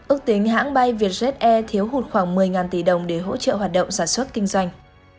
ước tính hãng bay vietjet air thiếu hụt khoảng một mươi tỷ đồng để hỗ trợ hoạt động sản xuất kinh doanh